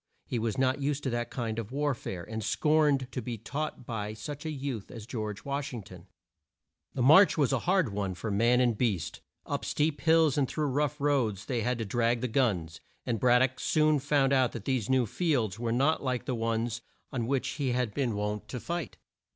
He was not used to that kind of war fare, and scorned to be taught by such a youth as George Wash ing ton. The march was a hard one for man and beast. Up steep hills and through rough roads they had to drag the guns, and Brad dock soon found out that these new fields were not like the old ones on which he had been wont to fight.